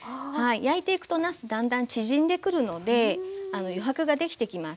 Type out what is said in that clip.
焼いていくとなすだんだん縮んでくるので余白ができてきます。